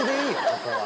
ここは。